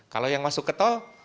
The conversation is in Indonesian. kalau yang masuk ke tol